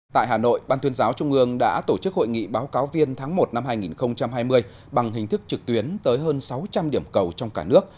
tại hà nội ban tuyên giáo trung ương đã tổ chức hội nghị báo cáo viên tháng một năm hai nghìn hai mươi bằng hình thức trực tuyến tới hơn sáu trăm linh điểm cầu trong cả nước